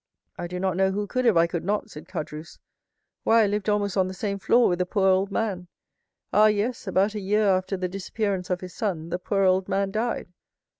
"I do not know who could if I could not," said Caderousse. "Why, I lived almost on the same floor with the poor old man. Ah, yes, about a year after the disappearance of his son the poor old man died."